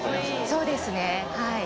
そうですね。